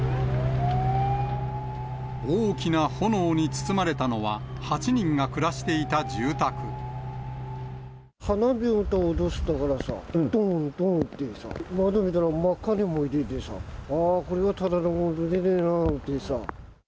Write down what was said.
大きな炎に包まれたのは、花火のような音したからさ、どーんどーんってさ、窓見たら真っ赤に燃えててさ、あー、これはただごとじゃねえななんてさ。